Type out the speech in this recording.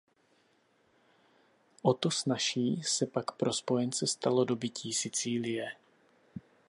O to snazší se pak pro Spojence stalo dobytí Sicílie.